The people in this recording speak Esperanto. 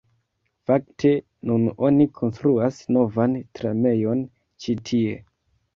Fakte, nun oni konstruas novan tramejon ĉi tie